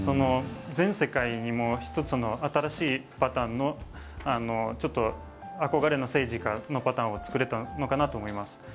全世界に１つの新しいパターンのちょっと憧れの政治家のパターンを作れたのかなと思います。